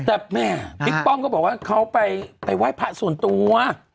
แต่แม่บิ๊กป้อมก็บอกว่าเขาไปไหว้พระส่วนตัว